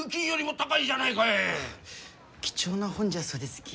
貴重な本じゃそうですき。